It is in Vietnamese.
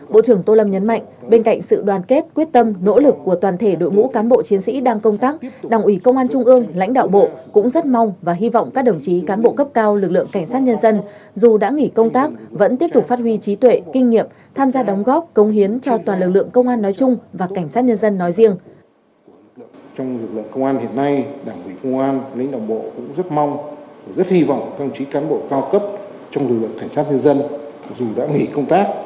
bộ trưởng tô lâm nhấn mạnh bên cạnh sự đoàn kết quyết tâm nỗ lực của toàn thể đội ngũ cán bộ chiến sĩ đang công tác đảng ủy công an trung ương lãnh đạo bộ cũng rất mong và hy vọng các đồng chí cán bộ cấp cao lực lượng cảnh sát nhân dân dù đã nghỉ công tác vẫn tiếp tục phát huy trí tuệ kinh nghiệm tham gia đóng góp công hiến cho toàn lực lượng công an nói chung và cảnh sát nhân dân nói riêng